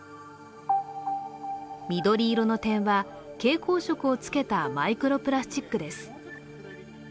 緑色の点は、蛍光色をつけたマイクロプラスチックです。